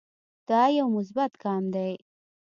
دا يو مثبت ګام دے